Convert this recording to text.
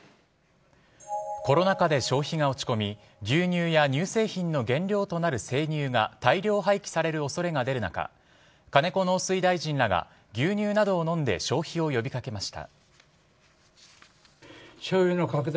コロナ禍で消費が落ち込み牛乳や乳製品の原料となる生乳が大量廃棄される恐れが出る中金子農水大臣らが牛乳などを飲んで消費を呼び掛けました。